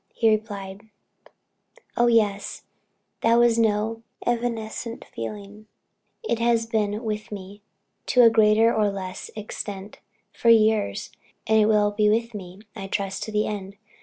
He replied, "Oh yes; that was no evanescent feeling. It has been with me, to a greater or less extent, for years, and will be with me, I trust, to the end.